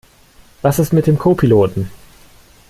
Was ist mit dem Co-Piloten?